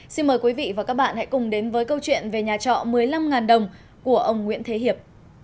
xin mời quý vị và các bạn hãy cùng đến với câu chuyện về nhà trọ một mươi năm đồng của ông nguyễn thế hiệp